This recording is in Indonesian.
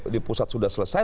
di pusat sudah selesai